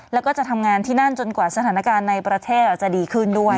แล้วก็จะทำงานที่นั่นจนกว่าสถานการณ์ในประเทศอาจจะดีขึ้นด้วย